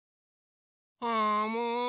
あもう！